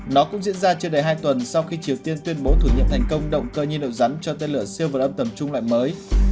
nó cũng diễn ra chưa đầy hai tuần sau khi triều tiên tuyên bố thử nghiệm thành công động cơ nhiên liệu rắn cho tên lửa siêu vật âm tầm trung loại mới